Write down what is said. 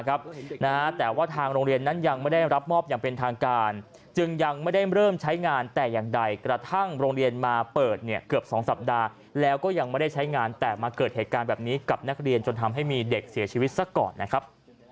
กับนักเรียนจนทำให้มีเด็กเสียชีวิตสักก่อนนะครับ